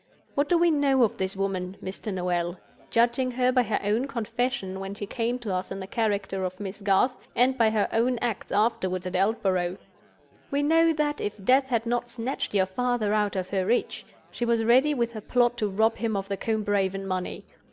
What do we know of this woman, Mr. Noel—judging her by her own confession when she came to us in the character of Miss Garth, and by her own acts afterward at Aldborough? We know that, if death had not snatched your father out of her reach, she was ready with her plot to rob him of the Combe Raven money.